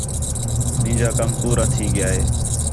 مینجا کم پورا تھئی ڳیا ہے